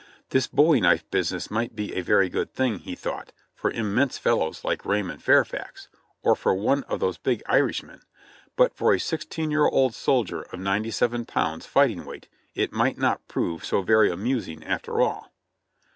This bowie knife business might be a very good thing, he thought, for im mense fellows like Raymond Fairfax, or for one of those big Irish men, but for a sixteen year old soldier of ninety seven pounds fighting weight, it might not prove so very amusing after all.